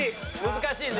難しいね。